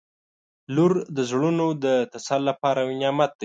• لور د زړونو د تسل لپاره یو نعمت دی.